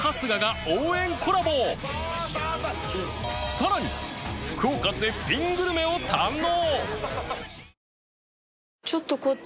さらに福岡絶品グルメを堪能！